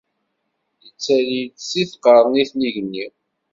Ittali-d si tqernit n yigenni.